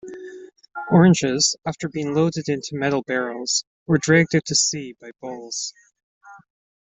Oranges, after being loaded into metal barrels, were dragged out to sea by bulls.